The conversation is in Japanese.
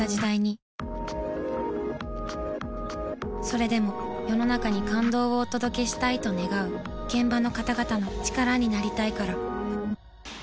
それでも世の中に感動をお届けしたいと願う現場の方々の力になりたいから。